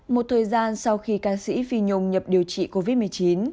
một thời gian sau khi ca sĩ phi nhung nhập điều trị covid một mươi chín